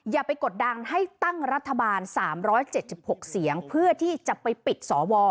อย่าไปกดดันให้ตั้งรัฐบาล๓๗๖เสียงเพื่อที่จะไปปิดสว